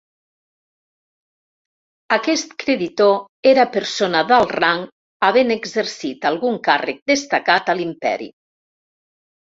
Aquest creditor era persona d'alt rang havent exercit algun càrrec destacat a l'imperi.